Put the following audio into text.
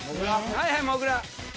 はいはいもぐら。